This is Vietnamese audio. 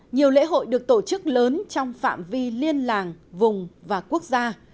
nhiều lễ hội được tổ chức lớn trong phạm vi liên làng vùng và quốc gia